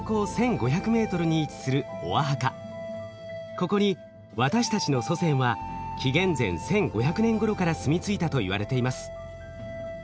ここに私たちの祖先は紀元前１，５００年ごろから住み着いたと言われています。